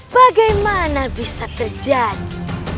bagaimana bisa terjadi